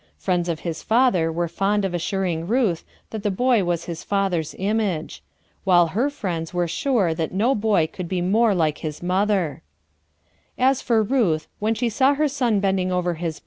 Friends of his father were fond of assuring Ruth that the boy was his father's image ; while her friends were sure that no boy could be more like his mother, As for Ruth when she saw her son bending over his.